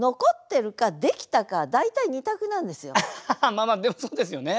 まあまあでもそうですよね